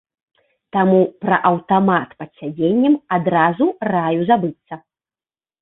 Таму пра аўтамат пад сядзеннем адразу раю забыцца.